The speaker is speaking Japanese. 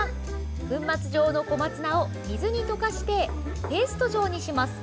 粉末状の小松菜を水に溶かしてペースト状にします。